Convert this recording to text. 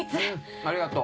ありがとう！